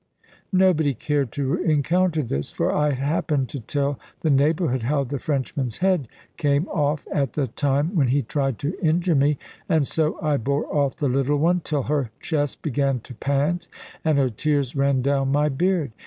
Nobody cared to encounter this; for I had happened to tell the neighbourhood how the Frenchman's head came off at the time when he tried to injure me; and so I bore off the little one, till her chest began to pant and her tears ran down my beard.